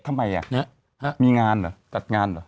ทำไมอ่ะมีงานเหรอจัดงานเหรอ